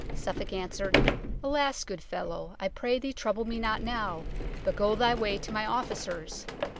" Suffolk answered, " Alas, good fellow, I pray thee trouble me not now, but go thy way to my officers."